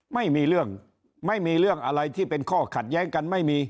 ไม่มีเรื่องไม่มีเรื่องอะไรที่เป็นข้อขัดแย้งกันไม่มี